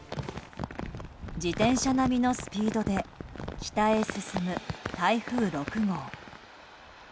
自転車並みのスピードで北へ進む台風６号。